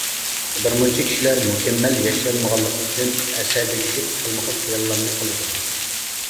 بىرمۇنچە كىشىلەر مۇكەممەل ياشىيالمىغانلىقى ئۈچۈن، ئەسەبىيلىشىپ خىلمۇخىل خىياللارنى قىلىدۇ.